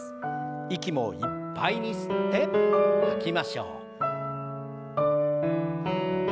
息もいっぱいに吸って吐きましょう。